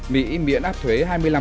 mỹ miễn áp thuế hai mươi năm